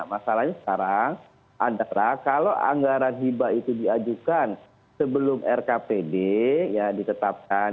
masalahnya sekarang adalah kalau anggaran hibah itu diajukan sebelum rkpd ya ditetapkan